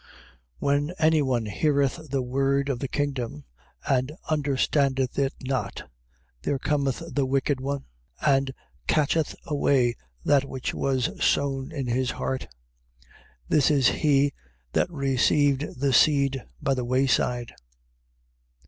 13:19. When any one heareth the word of the kingdom, and understandeth it not, there cometh the wicked one, and catcheth away that which was sown in his heart: this is he that received the seed by the way side.